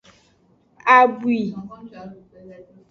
Abwi.